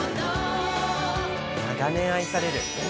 長年愛される。